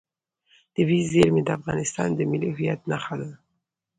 طبیعي زیرمې د افغانستان د ملي هویت نښه ده.